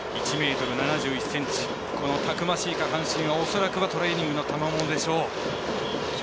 このたくましい下半身は恐らくはトレーニングのたまものでしょう。